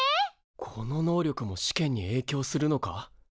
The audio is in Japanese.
この能力も試験にえいきょうするのか？